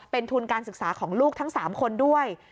เป็นทุนการศึกษาของลูกทั้ง๓คนด้วย